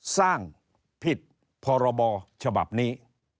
สร้างผิดพรบฉบับนี้